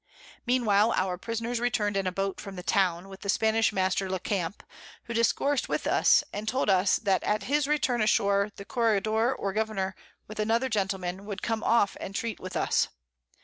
Mean while our Prisoners returned in a Boat from the Town, with the Spanish Master le Camp, who discoursed with us, and told us, that at his Return ashore the Corregidore or Governour, with another Gentleman, would come off and treat with us.